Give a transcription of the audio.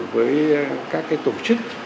với các cái tổ chức